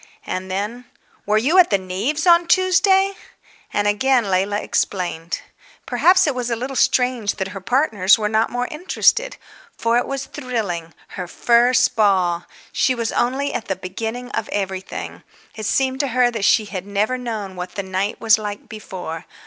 And then, "Were you at the Neaves' on Tuesday?" And again Leila explained. Perhaps it was a little strange that her partners were not more interested. For it was thrilling. Her first ball! She was only at the beginning of everything. It seemed to her that she had never known what the night was like before.